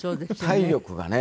体力がね。